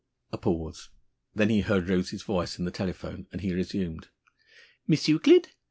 A pause. Then he heard Rose's voice in the telephone, and he resumed: "Miss Euclid?